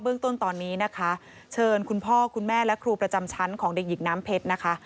เรื่องต้นตอนนี้นะคะเชิญคุณพ่อคุณแม่และครูประจำชั้นของเด็กหญิงน้ำเพชรนะคะ